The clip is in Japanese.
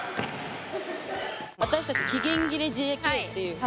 私たち期限切れＪＫっていう。